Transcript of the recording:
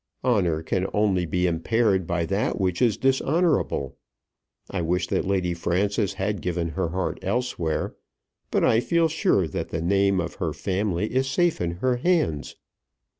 Honour can only be impaired by that which is dishonourable. I wish that Lady Frances had given her heart elsewhere, but I feel sure that the name of her family is safe in her hands.